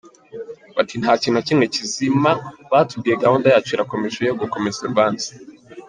Bati “Nta kintu na kimwe kizima batubwiye gahunda yacu irakomeje yo gukomeza urubanza”.